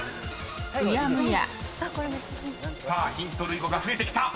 ［さあヒント類語が増えてきた］